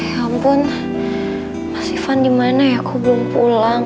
ya ampun mas ivan gimana ya aku belum pulang